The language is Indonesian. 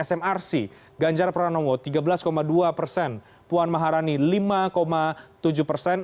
smrc ganjar pranowo tiga belas dua persen puan maharani lima tujuh persen